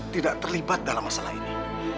tidak terlibat dalam masalah ini